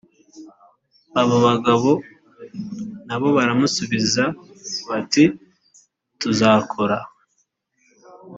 abo bagabo na bo baramusubiza bati tuzakora